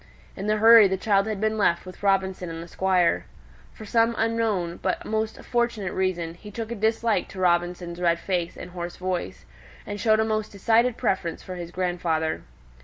In the hurry, the child had been left with Robinson and the Squire. For some unknown, but most fortunate reason, he took a dislike to Robinson's red face and hoarse voice, and showed a most decided preference for his grandfather.